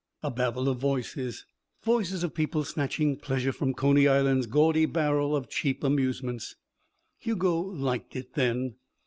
A babble of voices, voices of people snatching pleasure from Coney Island's gaudy barrel of cheap amusements. Hugo liked it then.